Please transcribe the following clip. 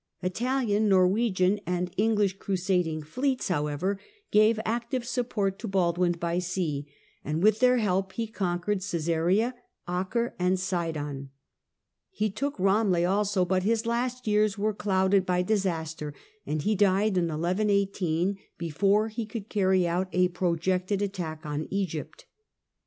Italian, Norwegian and English crusading fleets, how ever, gave active support to Baldwin by sea, and with their help he conquered Csesarea, Acre and Sidon. He took Eamleh also, but his last years were clouded by disaster, and he died in 1118 before he could carry out a projected attack on Egypt.